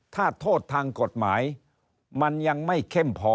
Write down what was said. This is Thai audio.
ถ้าโทษทางกฎหมายมันยังไม่เข้มพอ